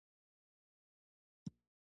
ايا موږ کولای شو د نورو په تشولو سره.